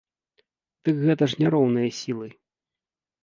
Дык гэта ж не роўныя сілы!